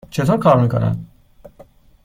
چطور کار می کند؟